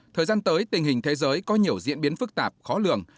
thời gian tới tình hình thế giới có nhiều diễn biến phức tạp khó lường